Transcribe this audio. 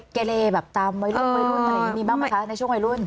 เกเลแบบตามวัยรุ่นอะไรอย่างนี้มีบ้างไหมคะในช่วงวัยรุ่น